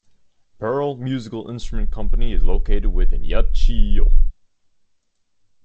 Pearl Musical Instrument Company is located within Yachiyo.